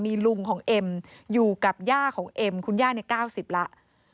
มีลุงของเอ็มอยู่กับย่าของเอ็มคุณย่าใน๙๐แล้ว